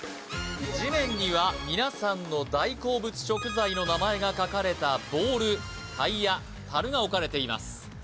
地面には皆さんの大好物食材の名前が書かれたボールタイヤタルが置かれています